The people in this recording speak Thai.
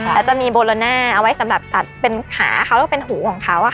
และจะมีโบโลน่ากางลับเขาตัดเข้าและหูของเขา